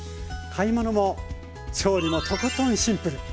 買い物も調理もとことんシンプル。